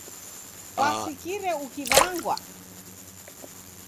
Kwasikire ukiw'angwa?